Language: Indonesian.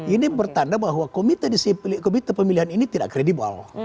ini bertanda bahwa komite pemilihan ini tidak kredibel